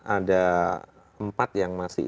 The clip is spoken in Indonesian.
ada empat yang masih